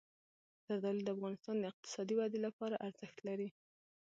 زردالو د افغانستان د اقتصادي ودې لپاره ارزښت لري.